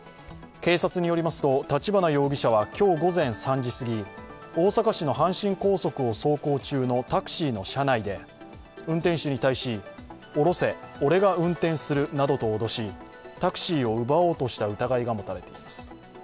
警察によりますと、立花容疑者は今日午前３時すぎ大阪市の阪神高速を走行中のタクシーの車内で運転手に対し、降ろせ、俺が運転するなどと脅しタクシーを奪おうとした疑いが持たれています。